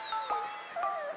フフフ。